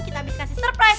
kita abis kasih surprise